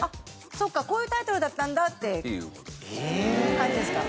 「そうかこういうタイトルだったんだ」って感じですか？